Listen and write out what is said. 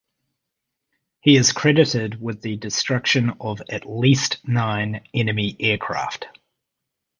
He is credited with the destruction of at least nine enemy aircraft.